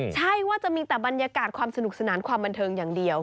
ใช่ว่าจะมีแต่บรรยากาศความสนุกสนานความบันเทิงอย่างเดียว